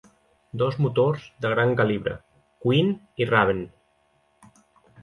Dos motors de gran calibre: "Queen" i "Raven".